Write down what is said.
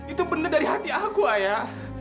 itu benar dari hati aku ayah